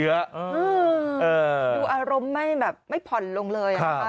อืมดูอารมณ์ไม่ผ่อนลงเลย